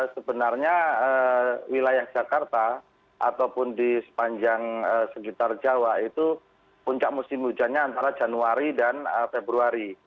sebenarnya wilayah jakarta ataupun di sepanjang sekitar jawa itu puncak musim hujannya antara januari dan februari